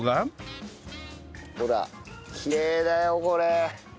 きれいだよこれ。